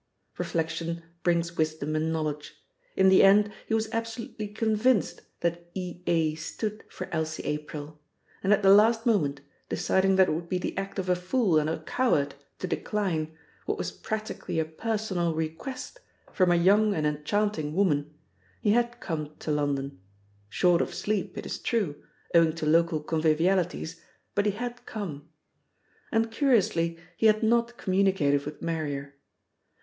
Reflection brings wisdom and knowledge. In the end he was absolutely convinced that E.A. stood for Elsie April; and at the last moment, deciding that it would be the act of a fool and a coward to decline what was practically a personal request from a young and enchanting woman, he had come to London short of sleep, it is true, owing to local convivialities, but he had come. And, curiously, he had not communicated with Marrier.